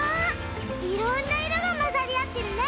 いろんないろがまざりあってるね！